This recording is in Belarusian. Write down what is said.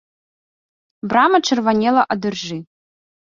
Брама чырванела ад іржы.